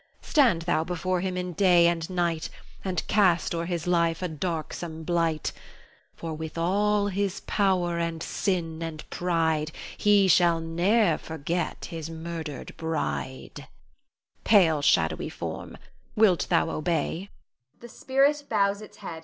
Stand thou before him in day and night, And cast o'er his life a darksome blight; For with all his power and sin and pride, He shall ne'er forget his murdered bride. Pale, shadowy form, wilt thou obey?